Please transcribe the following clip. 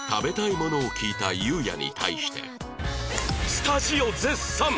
スタジオ絶賛！